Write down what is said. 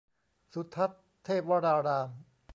สุทัศน์เทพวราราม